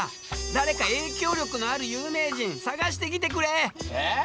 誰か影響力のある有名人探してきてくれ！え！